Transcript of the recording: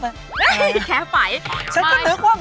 ไอล์โหลดแล้วคุณหลานโหลดหรือยัง